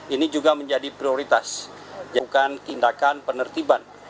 ini juga menjadi prioritas bukan tindakan penertiban